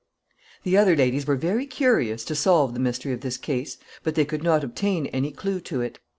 ] The other ladies were very curious to solve the mystery of this case, but they could not obtain any clew to it.